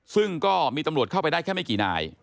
ซึ่งก็มีตำรวจเข้าไปได้แค่ไม่กี่นาย